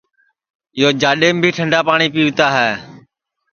یو جاڈؔیم بی ٹھنٚڈا پاٹؔی پیوتا ہے